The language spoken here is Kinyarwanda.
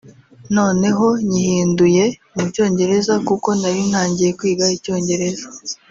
noneho nyihinduye mu cyongereza kuko nari ntangiye kwiga icyongereza